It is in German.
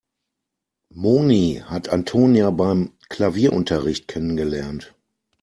Moni hat Antonia beim Klavierunterricht kennengelernt.